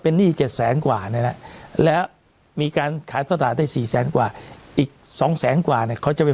เป็นหนี้เจ็ดแสนกว่าเนี้ยแล้วมีการขายสตราได้สี่แสนกว่าอีกสองแสนกว่าเนี้ยเขาจะไป